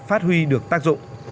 phát huy được tác dụng